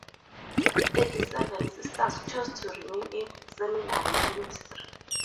Thirty-seven sisters chose to remain in Seminary ministry.